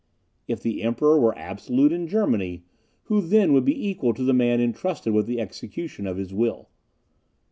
If the Emperor were absolute in Germany, who then would be equal to the man intrusted with the execution of his will?